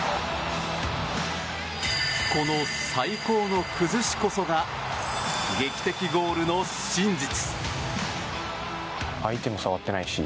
この最高の崩しこそが劇的ゴールの真実。